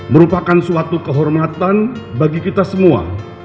merupakan suatu kehormatan bagi kita semua